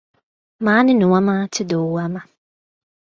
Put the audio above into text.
Mani nomāca doma.